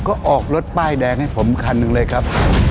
ก็ออกรถป้ายแดงให้ผมคันหนึ่งเลยครับ